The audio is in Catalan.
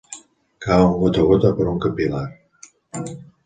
Cauen gota a gota per un capil·lar.